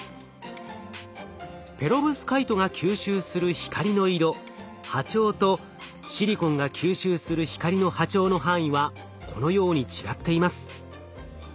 ペロブスカイトが吸収する光の色波長とシリコンが吸収する光の波長の範囲はこのように違っています。